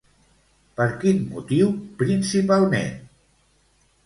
Per quin motiu principalment?